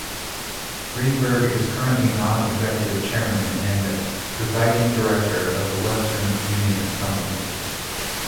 Greenberg is currently Non-Executive Chairman and Presiding Director of The Western Union Company.